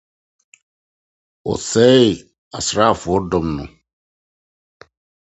Wɔsɛee asraafo dɔm no.